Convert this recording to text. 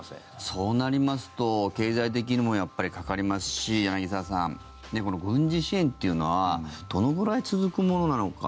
そうなりますと経済的にもやっぱり、かかりますし柳澤さん、軍事支援というのはどのくらい続くものなのか。